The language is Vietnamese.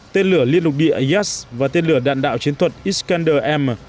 tên lửa liên lục địa ayas và tên lửa đạn đạo chiến thuật iskander m